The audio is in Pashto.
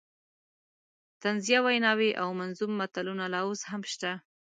طنزیه ویناوې او منظوم متلونه لا اوس هم شته.